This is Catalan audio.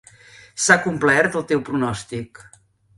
S'ha complert el teu pronòstic.